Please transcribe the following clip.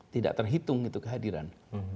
tidak terhitung itu kehadiran